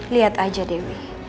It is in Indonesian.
lihat aja dewi